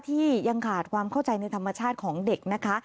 ที่ยังขาดความเข้าใจในธรรมชาติของเด็กนะคะ